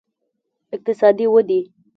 اقتصادي ودې